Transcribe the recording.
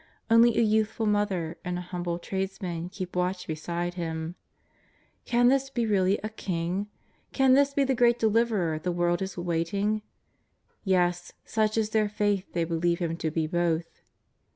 Only a youthful mother and a humble tradesman keep watch beside Him. Can this be really a king? Can this be the great Deliverer the world is awaiting ? Yes, such is their faith they believe Him to be both.